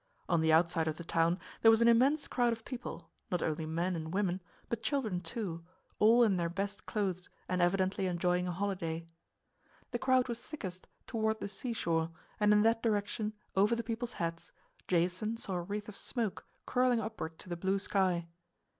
On the outside of the town there was an immense crowd of people, not only men and women, but children, too, all in their best clothes and evidently enjoying a holiday. The crowd was thickest toward the seashore, and in that direction, over the people's heads, Jason saw a wreath of smoke curling upward to the blue sky.